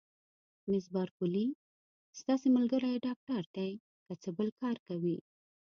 مس بارکلي: ستاسي ملګری ډاکټر دی، که څه بل کار کوي؟